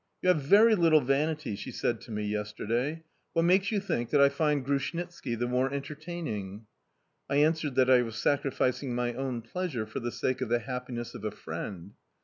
"You have very little vanity!" she said to me yesterday. "What makes you think that I find Grushnitski the more entertaining?" I answered that I was sacrificing my own pleasure for the sake of the happiness of a friend.